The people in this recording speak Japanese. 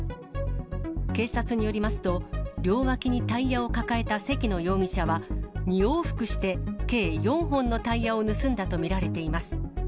警察によりますと、両脇にタイヤを抱えた関野容疑者は、２往復して計４本のタイヤを盗んだと見られています。